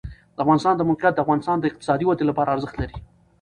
د افغانستان د موقعیت د افغانستان د اقتصادي ودې لپاره ارزښت لري.